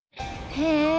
へえ！